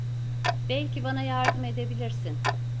Belki bana yardım edebilirsin.